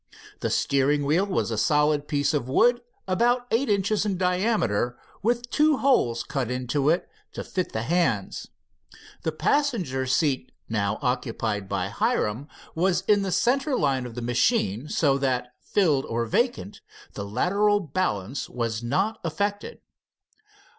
The steering wheel was a solid piece of wood about eight inches in diameter with two holes cut into it to fit the hands. The passenger's seat now occupied by Hiram was in the center line of the machine, so that, filled or vacant, the lateral balance was not affected.